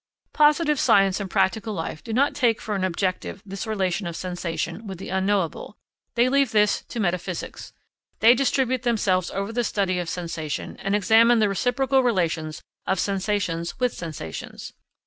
Positive science and practical life do not take for an objective this relation of sensation with the Unknowable; they leave this to metaphysics. They distribute themselves over the study of sensation and examine the reciprocal relations of sensations with sensations.